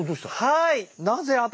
はい！